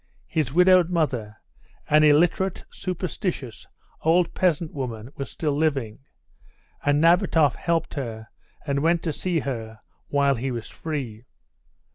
His widowed mother, an illiterate, superstitious, old peasant woman, was still living, and Nabatoff helped her and went to see her while he was free.